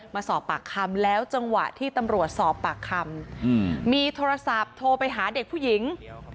มาสอบปากคำแล้วจังหวะที่ตำรวจสอบปากคำมีโทรศัพท์โทรไปหาเด็กผู้หญิง